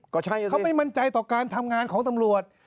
ก็ใช่น่ะสิเค้าไม่มั่นใจต่อการทำงานของตำรวจ